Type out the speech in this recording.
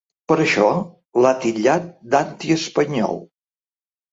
Per això, l’ha titllat ‘d’antiespanyol’.